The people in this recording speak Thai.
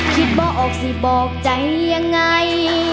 บอกออกสิบอกใจยังไง